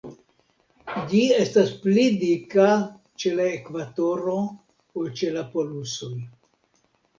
Ĝi estas pli dika ĉe la ekvatoro ol ĉe la polusoj.